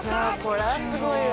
これはすごいわ。